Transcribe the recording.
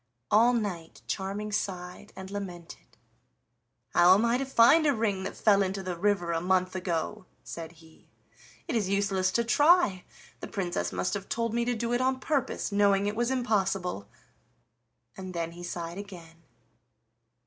All night Charming sighed and lamented. "How am I to find a ring that fell into the river a month ago?" said he. "It is useless to try; the Princess must have told me to do it on purpose, knowing it was impossible." And then he sighed again.